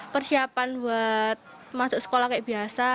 persiapan buat masuk sekolah kayak biasa